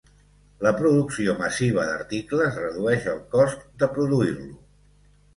La producció massiva d"articles redueix el cost de produir-lo.